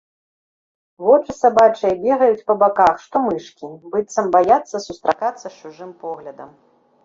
Вочы сабачыя бегаюць па баках, што мышкі, быццам баяцца сустракацца з чужым поглядам.